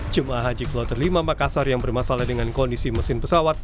jemaah haji kloter lima makassar yang bermasalah dengan kondisi mesin pesawat